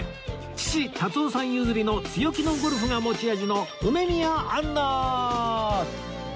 父辰夫さん譲りの強気のゴルフが持ち味の梅宮アンナ